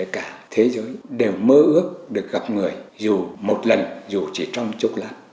cả thế giới đều mơ ước được gặp người dù một lần dù chỉ trong chút lát